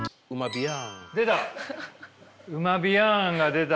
出た！